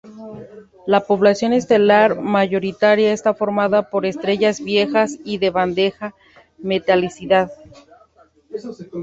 La población estelar mayoritaria está formada por estrellas viejas y de baja metalicidad.